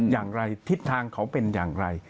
อย่างไรทิศทางเขาเป็นอย่างไร